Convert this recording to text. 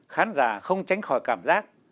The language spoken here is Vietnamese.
khán giả không tránh khỏi cảm giác